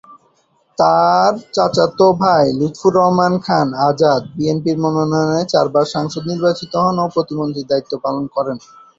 তার চাচাত ভাই লুৎফর রহমান খান আজাদ বিএনপির মনোনয়নে চারবার সংসদ সদস্য নির্বাচিত হন ও প্রতিমন্ত্রীর দায়িত্ব পালন করেন।